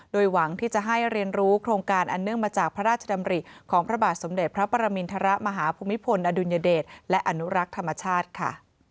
โดยหวังที่จะให้เรียนรู้โครงการอันเนื่องมาจากพระราชดำริของพระบาทสมเด็จพระปรมินทรมาฮภูมิพลอดุลยเดชและอนุรักษ์ธรรมชาติค่ะ